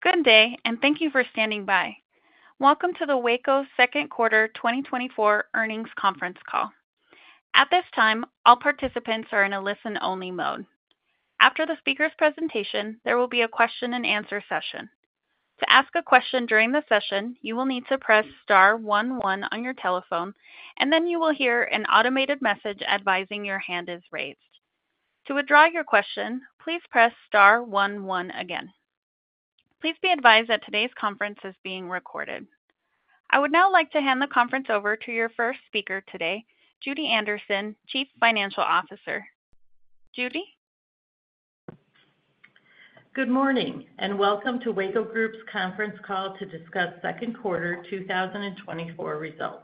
Good day, and thank you for standing by. Welcome to the Weyco second quarter 2024 earnings conference call. At this time, all participants are in a listen-only mode. After the speaker's presentation, there will be a question-and-answer session. To ask a question during the session, you will need to press star one one on your telephone, and then you will hear an automated message advising your hand is raised. To withdraw your question, please press star one one again. Please be advised that today's conference is being recorded. I would now like to hand the conference over to your first speaker today, Judy Anderson, Chief Financial Officer. Judy? Good morning, and welcome to Weyco Group's conference call to discuss second quarter 2024 results.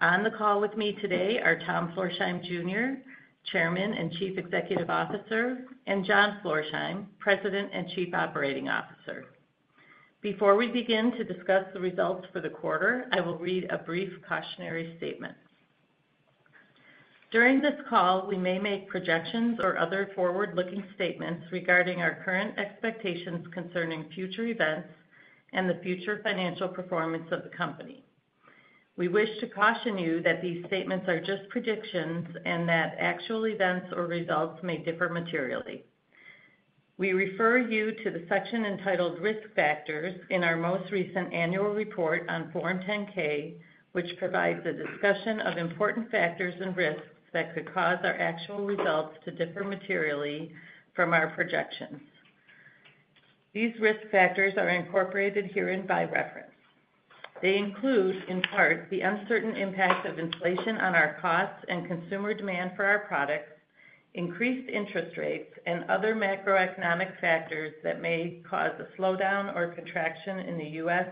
On the call with me today are Tom Florsheim Jr., Chairman and Chief Executive Officer, and John Florsheim, President and Chief Operating Officer. Before we begin to discuss the results for the quarter, I will read a brief cautionary statement. During this call, we may make projections or other forward-looking statements regarding our current expectations concerning future events and the future financial performance of the company. We wish to caution you that these statements are just predictions and that actual events or results may differ materially. We refer you to the section entitled Risk Factors in our most recent annual report on Form 10-K, which provides a discussion of important factors and risks that could cause our actual results to differ materially from our projections. These risk factors are incorporated herein by reference. They include, in part, the uncertain impact of inflation on our costs and consumer demand for our products, increased interest rates, and other macroeconomic factors that may cause a slowdown or contraction in the U.S.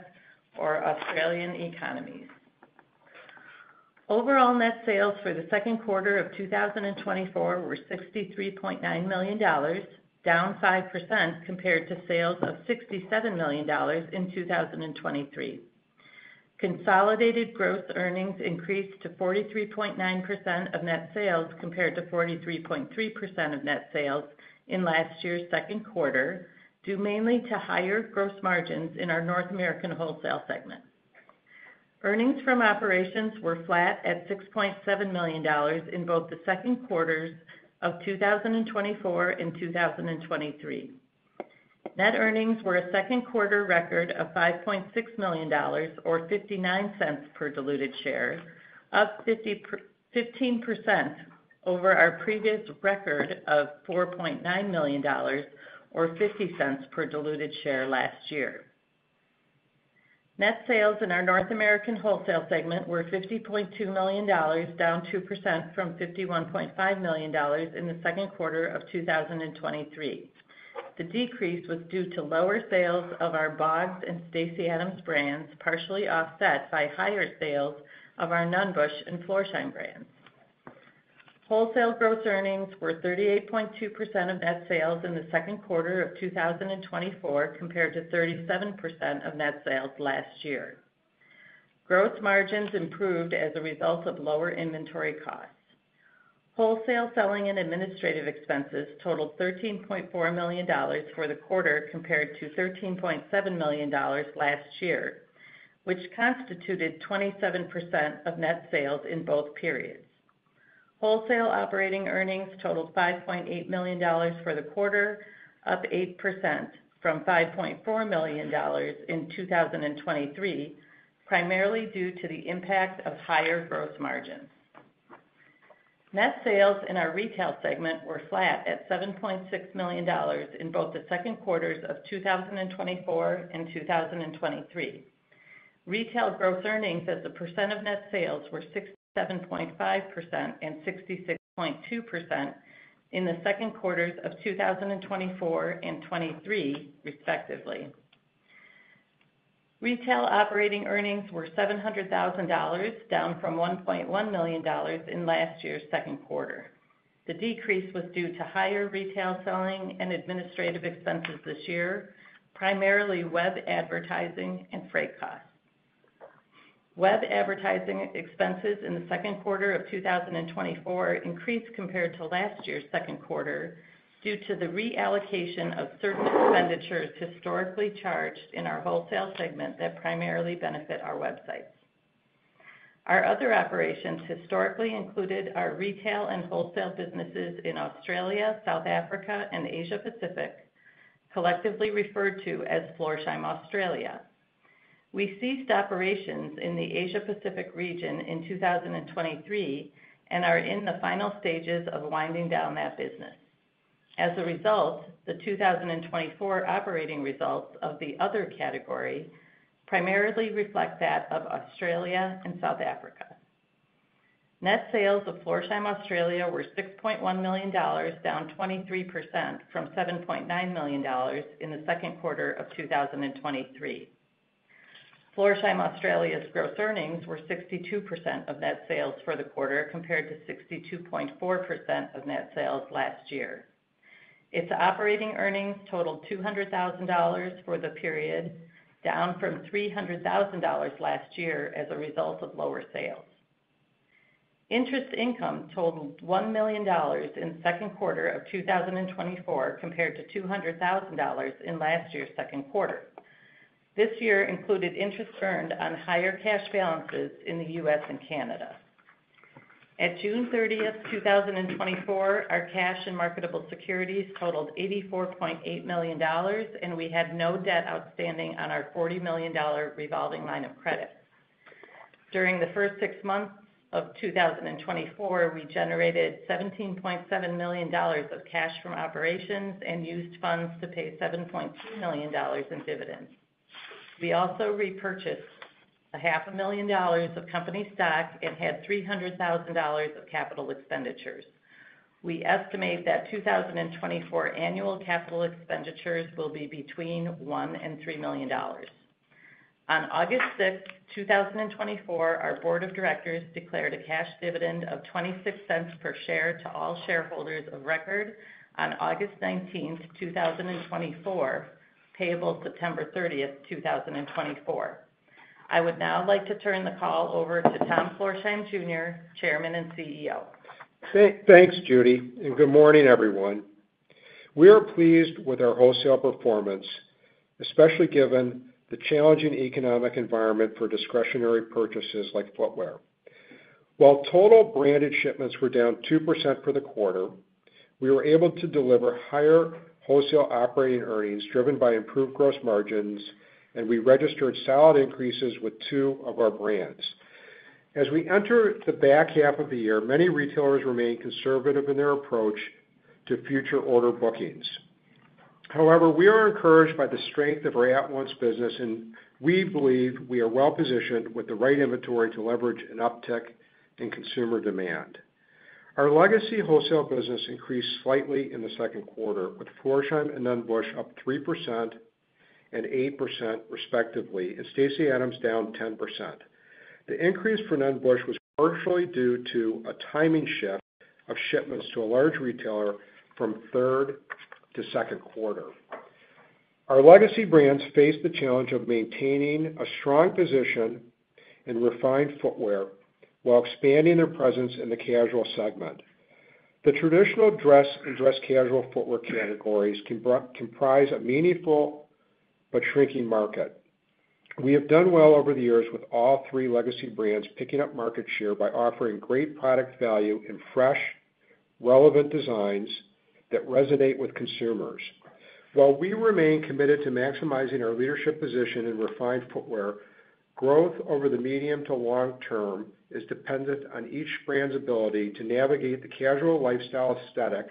or Australian economies. Overall net sales for the second quarter of 2024 were $63.9 million, down 5% compared to sales of $67 million in 2023. Consolidated gross earnings increased to 43.9% of net sales, compared to 43.3% of net sales in last year's second quarter, due mainly to higher gross margins in our North American wholesale segment. Earnings from operations were flat at $6.7 million in both the second quarters of 2024 and 2023. Net earnings were a second quarter record of $5.6 million, or $0.59 per diluted share, up 15% over our previous record of $4.9 million, or $0.50 per diluted share last year. Net sales in our North American wholesale segment were $50.2 million, down 2% from $51.5 million in the second quarter of 2023. The decrease was due to lower sales of our Bogs and Stacy Adams brands, partially offset by higher sales of our Nunn Bush and Florsheim brands. Wholesale gross earnings were 38.2% of net sales in the second quarter of 2024, compared to 37% of net sales last year. Gross margins improved as a result of lower inventory costs. Wholesale selling and administrative expenses totaled $13.4 million for the quarter, compared to $13.7 million last year, which constituted 27% of net sales in both periods. Wholesale operating earnings totaled $5.8 million for the quarter, up 8% from $5.4 million in 2023, primarily due to the impact of higher gross margins. Net sales in our retail segment were flat at $7.6 million in both the second quarters of 2024 and 2023. Retail gross earnings as a percent of net sales were 67.5% and 66.2% in the second quarters of 2024 and 2023, respectively. Retail operating earnings were $700,000, down from $1.1 million in last year's second quarter. The decrease was due to higher retail selling and administrative expenses this year, primarily web advertising and freight costs. Web advertising expenses in the second quarter of 2024 increased compared to last year's second quarter, due to the reallocation of certain expenditures historically charged in our wholesale segment that primarily benefit our websites. Our other operations historically included our retail and wholesale businesses in Australia, South Africa, and Asia Pacific, collectively referred to as Florsheim Australia. We ceased operations in the Asia Pacific region in 2023 and are in the final stages of winding down that business. As a result, the 2024 operating results of the other category primarily reflect that of Australia and South Africa. Net sales of Florsheim Australia were $6.1 million, down 23% from $7.9 million in the second quarter of 2023. Florsheim Australia's gross earnings were 62% of net sales for the quarter, compared to 62.4% of net sales last year. Its operating earnings totaled $200,000 for the period, down from $300,000 last year as a result of lower sales. Interest income totaled $1 million in the second quarter of 2024, compared to $200,000 in last year's second quarter. This year included interest earned on higher cash balances in the U.S. and Canada. At June 30, 2024, our cash and marketable securities totaled $84.8 million, and we had no debt outstanding on our $40 million revolving line of credit. During the first six months of 2024, we generated $17.7 million of cash from operations and used funds to pay $7.2 million in dividends. We also repurchased $500,000 of company stock and had $300,000 of capital expenditures. We estimate that 2024 annual capital expenditures will be between $1 million and $3 million. On August 6, 2024, our board of directors declared a cash dividend of $0.26 per share to all shareholders of record on August 19, 2024, payable September 30, 2024. I would now like to turn the call over to Tom Florsheim Jr., Chairman and CEO. Thanks, Judy, and good morning, everyone. We are pleased with our wholesale performance, especially given the challenging economic environment for discretionary purchases like footwear. While total branded shipments were down 2% for the quarter, we were able to deliver higher wholesale operating earnings, driven by improved gross margins, and we registered solid increases with two of our brands. As we enter the back half of the year, many retailers remain conservative in their approach to future order bookings. However, we are encouraged by the strength of our at-once business, and we believe we are well-positioned with the right inventory to leverage an uptick in consumer demand. Our legacy wholesale business increased slightly in the second quarter, with Florsheim and Nunn Bush up 3% and 8% respectively, and Stacy Adams down 10%. The increase for Nunn Bush was partially due to a timing shift of shipments to a large retailer from third to second quarter. Our legacy brands face the challenge of maintaining a strong position in refined footwear while expanding their presence in the casual segment. The traditional dress and dress casual footwear categories comprise a meaningful but shrinking market. We have done well over the years, with all three legacy brands picking up market share by offering great product value in fresh, relevant designs that resonate with consumers. While we remain committed to maximizing our leadership position in refined footwear, growth over the medium to long term is dependent on each brand's ability to navigate the casual lifestyle aesthetic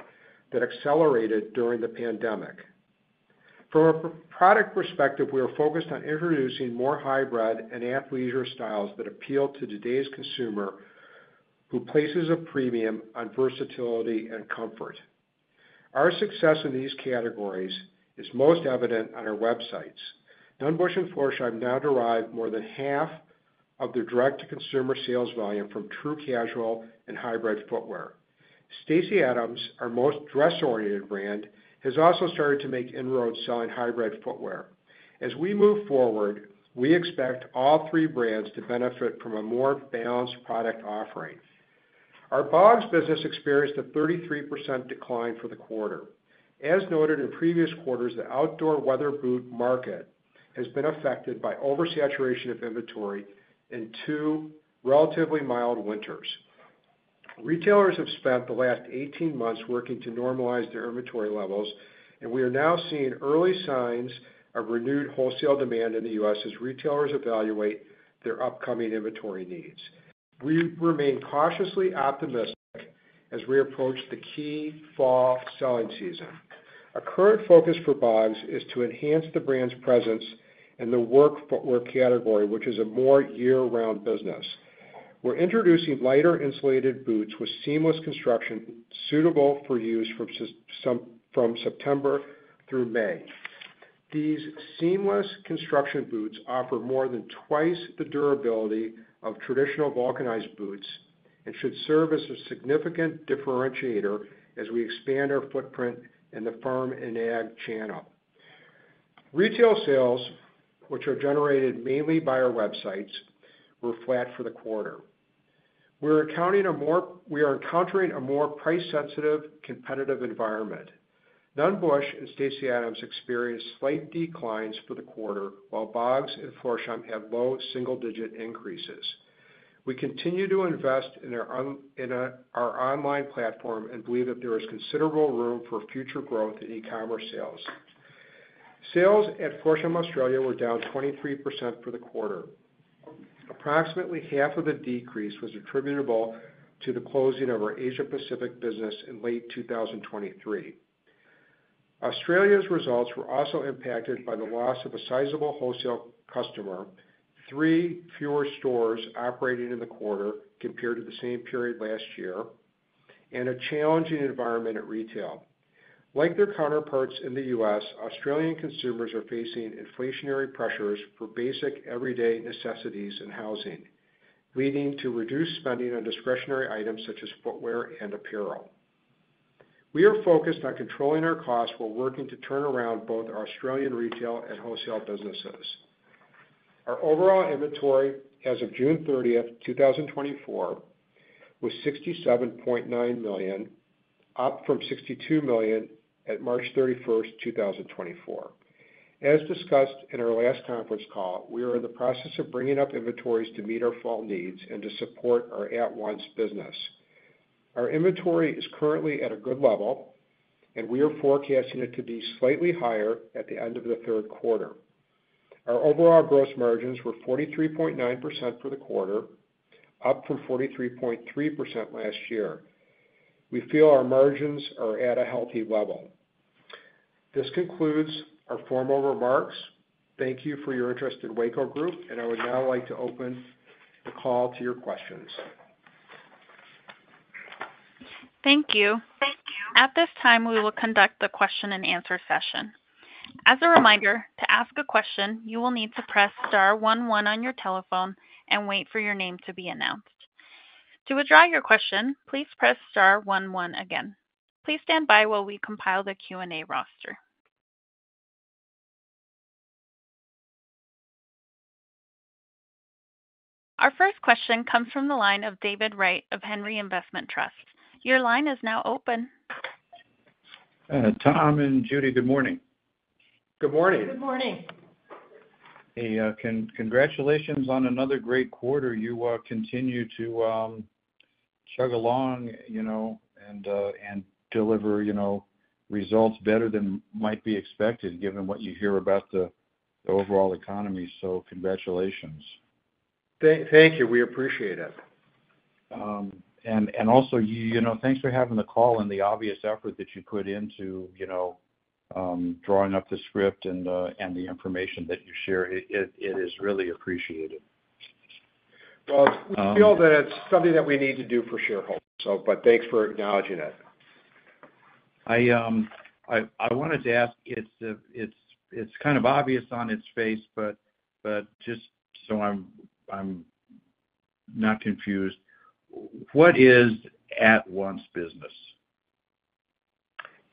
that accelerated during the pandemic. From a product perspective, we are focused on introducing more hybrid and athleisure styles that appeal to today's consumer, who places a premium on versatility and comfort. Our success in these categories is most evident on our websites. Nunn Bush and Florsheim now derive more than half of their direct-to-consumer sales volume from true casual and hybrid footwear. Stacy Adams, our most dress-oriented brand, has also started to make inroads selling hybrid footwear. As we move forward, we expect all three brands to benefit from a more balanced product offering. Our Bogs business experienced a 33% decline for the quarter. As noted in previous quarters, the outdoor weather boot market has been affected by oversaturation of inventory and two relatively mild winters. Retailers have spent the last 18 months working to normalize their inventory levels, and we are now seeing early signs of renewed wholesale demand in the U.S. as retailers evaluate their upcoming inventory needs. We remain cautiously optimistic as we approach the key fall selling season. Our current focus for Bogs is to enhance the brand's presence in the work footwear category, which is a more year-round business. We're introducing lighter, insulated boots with seamless construction, suitable for use from September through May. These seamless construction boots offer more than twice the durability of traditional vulcanized boots and should serve as a significant differentiator as we expand our footprint in the farm and ag channel. Retail sales, which are generated mainly by our websites, were flat for the quarter. We are encountering a more price-sensitive, competitive environment. Nunn Bush and Stacy Adams experienced slight declines for the quarter, while Bogs and Florsheim had low single-digit increases. We continue to invest in our online platform and believe that there is considerable room for future growth in e-commerce sales. Sales at Florsheim Australia were down 23% for the quarter. Approximately half of the decrease was attributable to the closing of our Asia-Pacific business in late 2023. Australia's results were also impacted by the loss of a sizable wholesale customer, three fewer stores operating in the quarter compared to the same period last year, and a challenging environment at retail. Like their counterparts in the U.S., Australian consumers are facing inflationary pressures for basic, everyday necessities and housing, leading to reduced spending on discretionary items such as footwear and apparel. We are focused on controlling our costs while working to turn around both our Australian retail and wholesale businesses. Our overall inventory as of June 30, 2024, was $67.9 million, up from $62 million at March 31, 2024. As discussed in our last conference call, we are in the process of bringing up inventories to meet our fall needs and to support our at-once business. Our inventory is currently at a good level, and we are forecasting it to be slightly higher at the end of the third quarter. Our overall gross margins were 43.9% for the quarter, up from 43.3% last year. We feel our margins are at a healthy level. This concludes our formal remarks. Thank you for your interest in Weyco Group, and I would now like to open the call to your questions. Thank you. At this time, we will conduct the question-and-answer session. As a reminder, to ask a question, you will need to press star one one on your telephone and wait for your name to be announced. To withdraw your question, please press star one one again. Please stand by while we compile the Q&A roster. Our first question comes from the line of David Wright of Henry Investment Trust. Your line is now open. Tom and Judy, good morning. Good morning. Good morning. Hey, congratulations on another great quarter. You continue to chug along, you know, and deliver, you know, results better than might be expected, given what you hear about the overall economy. So congratulations. Thank you. We appreciate it. Also, you know, thanks for having the call and the obvious effort that you put into, you know, drawing up the script and the information that you share. It is really appreciated. Well, we feel that it's something that we need to do for shareholders, but thanks for acknowledging it. I wanted to ask, it's kind of obvious on its face, but just so I'm not confused, what is at-once business?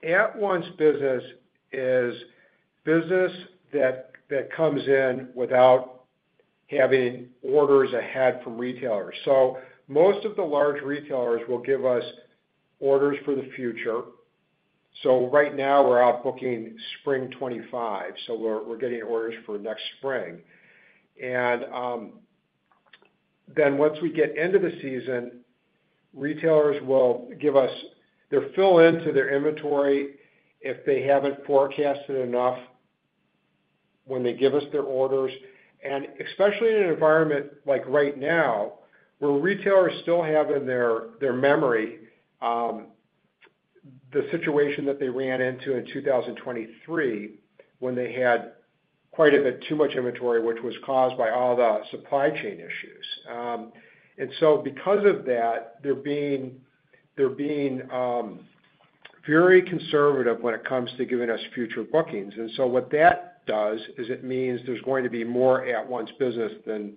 At-once business is business that comes in without having orders ahead from retailers. So most of the large retailers will give us orders for the future. So right now, we're out booking spring 2025, so we're getting orders for next spring. And then once we get into the season, retailers will give us their fill into their inventory if they haven't forecasted enough when they give us their orders. And especially in an environment like right now, where retailers still have in their memory the situation that they ran into in 2023, when they had quite a bit too much inventory, which was caused by all the supply chain issues. And so because of that, they're being very conservative when it comes to giving us future bookings. And so what that does is it means there's going to be more at-once business than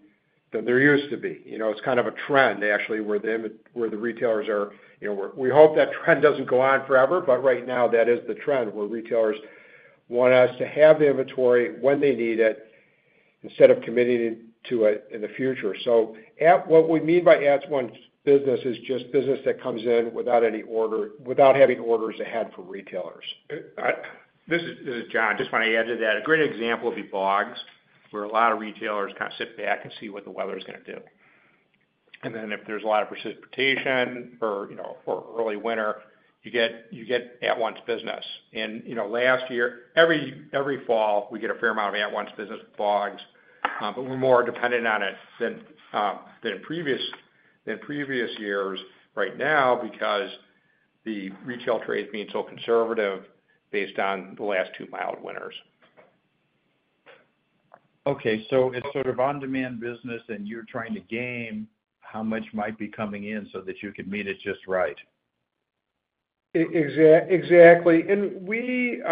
there used to be. You know, it's kind of a trend, actually, where the retailers are... You know, we hope that trend doesn't go on forever, but right now, that is the trend, where retailers want us to have the inventory when they need it, instead of committing to it in the future. So what we mean by at-once business is just business that comes in without having orders ahead from retailers. This is John. Just want to add to that. A great example would be Bogs, where a lot of retailers kind of sit back and see what the weather's gonna do. And then if there's a lot of precipitation or, you know, or early winter, you get at-once business. And, you know, every fall, we get a fair amount of at-once business with Bogs, but we're more dependent on it than in previous years right now because the retail trade is being so conservative based on the last two mild winters. Okay, so it's sort of on-demand business, and you're trying to game how much might be coming in so that you can meet it just right? Exactly. And we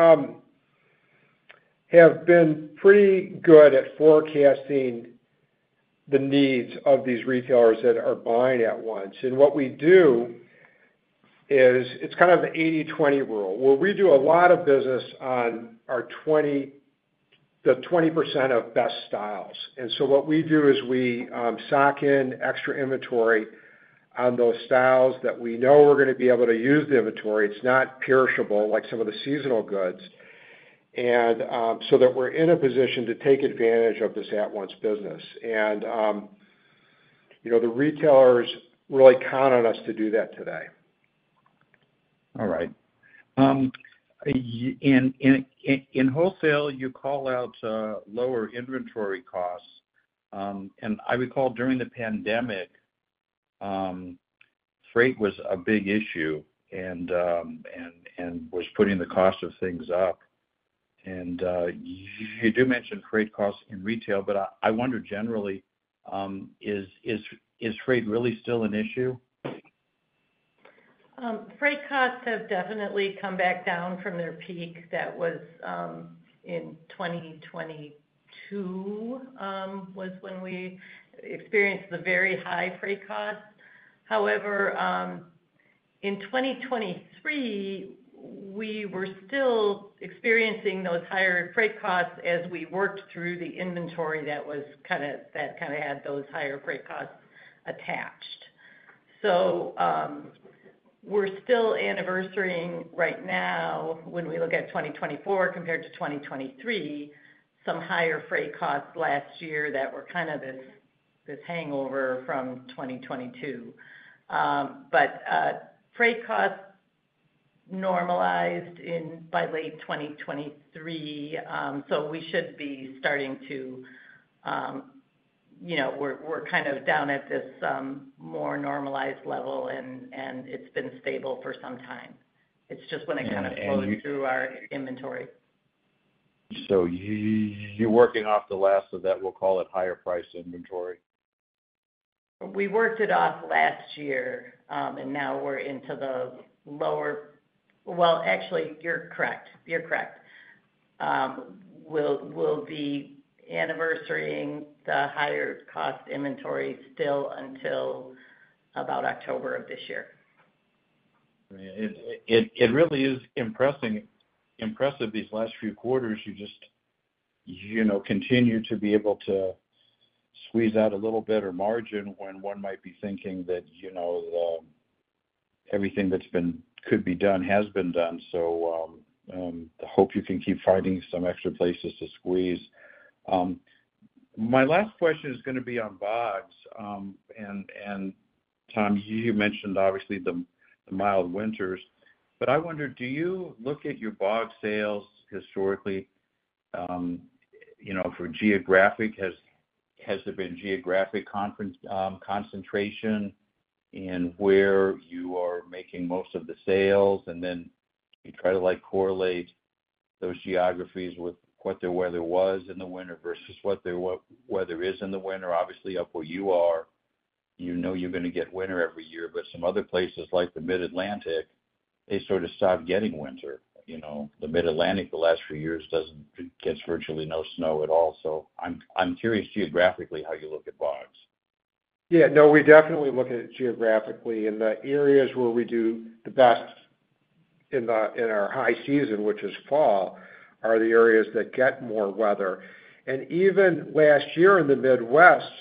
have been pretty good at forecasting the needs of these retailers that are buying at once. And what we do is, it's kind of the 80/20 rule, where we do a lot of business on our twenty-- the 20% of best styles. And so what we do is we stock in extra inventory on those styles that we know we're gonna be able to use the inventory. It's not perishable, like some of the seasonal goods. And so that we're in a position to take advantage of this at-once business. And you know, the retailers really count on us to do that today. All right. In wholesale, you call out lower inventory costs, and I recall during the pandemic, freight was a big issue and was putting the cost of things up. You do mention freight costs in retail, but I wonder generally, is freight really still an issue? Freight costs have definitely come back down from their peak that was in 2022, was when we experienced the very high freight costs. However, in 2023, we were still experiencing those higher freight costs as we worked through the inventory that kinda had those higher freight costs attached. So, we're still anniversaring right now, when we look at 2024 compared to 2023, some higher freight costs last year that were kind of this hangover from 2022. But, freight costs normalized in by late 2023, so we should be starting to, you know, we're kind of down at this more normalized level, and it's been stable for some time. It's just when it kind of flows through our inventory. So you're working off the last of that, we'll call it, higher priced inventory? We worked it off last year, and now we're into the lower. Well, actually, you're correct. You're correct. We'll be anniversaring the higher cost inventory still until about October of this year. It really is impressive, these last few quarters. You just, you know, continue to be able to squeeze out a little better margin when one might be thinking that, you know, everything that could be done has been done. So, I hope you can keep finding some extra places to squeeze. My last question is gonna be on Bogs. And Tom, you mentioned obviously the mild winters, but I wonder, do you look at your Bogs sales historically, you know, for geographic? Has there been geographic concentration in where you are making most of the sales, and then you try to, like, correlate those geographies with what the weather was in the winter versus what the weather is in the winter? Obviously, up where you are, you know you're gonna get winter every year, but some other places, like the Mid-Atlantic, they sort of stop getting winter. You know, the Mid-Atlantic, the last few years, gets virtually no snow at all. So I'm curious geographically, how you look at Bogs. Yeah, no, we definitely look at it geographically. In the areas where we do the best in our high season, which is fall, are the areas that get more weather. Even last year in the Midwest,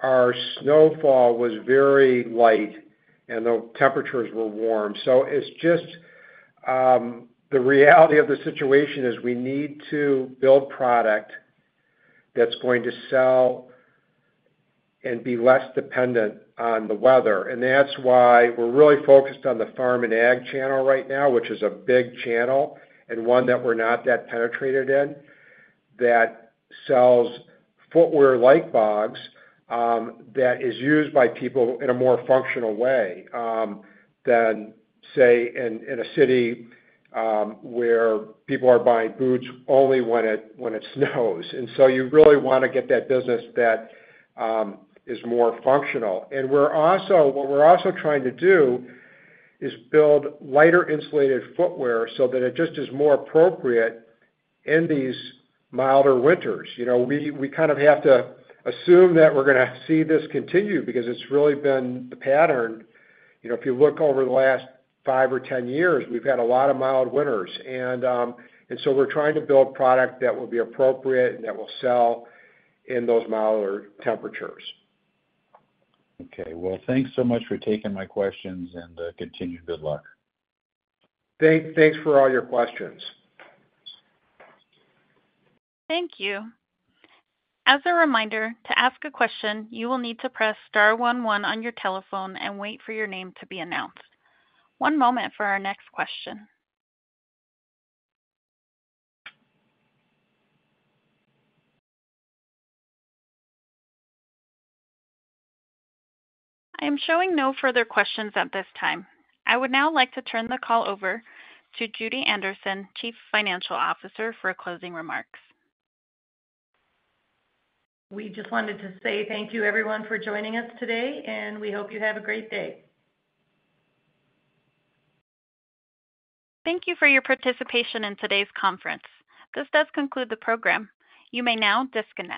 our snowfall was very light, and the temperatures were warm. So it's just the reality of the situation is we need to build product that's going to sell and be less dependent on the weather. That's why we're really focused on the farm and ag channel right now, which is a big channel and one that we're not that penetrated in, that sells footwear like Bogs that is used by people in a more functional way than, say, in a city where people are buying boots only when it snows. So you really wanna get that business that is more functional. What we're also trying to do is build lighter, insulated footwear so that it just is more appropriate in these milder winters. You know, we kind of have to assume that we're gonna see this continue because it's really been the pattern. You know, if you look over the last five or 10 years, we've had a lot of mild winters, and so we're trying to build product that will be appropriate and that will sell in those milder temperatures. Okay. Well, thanks so much for taking my questions, and continued good luck. Thanks for all your questions. Thank you. As a reminder, to ask a question, you will need to press star one one on your telephone and wait for your name to be announced. One moment for our next question. I am showing no further questions at this time. I would now like to turn the call over to Judy Anderson, Chief Financial Officer, for closing remarks. We just wanted to say thank you, everyone, for joining us today, and we hope you have a great day. Thank you for your participation in today's conference. This does conclude the program. You may now disconnect.